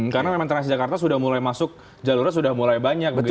karena memang transjakarta sudah mulai masuk jalurnya sudah mulai banyak begitu ya